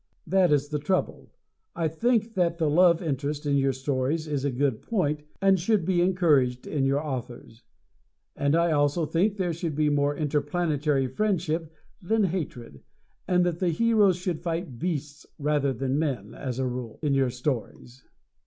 That is the trouble. I think that the love interest in your stories is a good point, and should be encouraged in your authors. And I also think there should be more interplanetary friendship than hatred, and that the heroes should fight beasts rather than men, as a rule, in your stories.